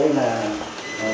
các anh em xem